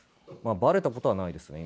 バレたことはないですね